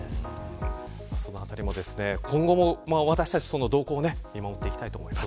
そのあたりも、今後私たち動向を見守っていきたいと思います。